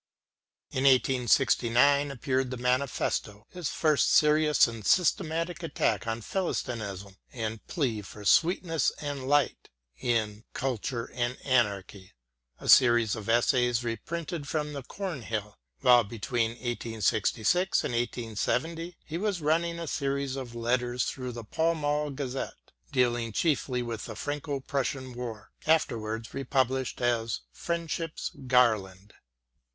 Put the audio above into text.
In 1869 appeared the manifesto, his first serious and systematic attack on Philistinism and MATTHEW ARNOLD 177 plea for sweetness and light, in " Culture and Anarchy," a series of essays reprinted from the Cornhill ; while between 1866 and 1870 he was running a series of letters through the Pall Mall Gazette dealing chiefly with the Franco Prussian War, afterwards republished as " Friendship's Garland."